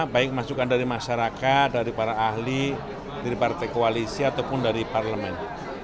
baik masukan dari masyarakat dari para ahli dari partai koalisi ataupun dari parlemen